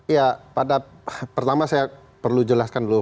ya pada pertama saya perlu jelaskan dulu